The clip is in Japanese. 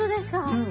うん。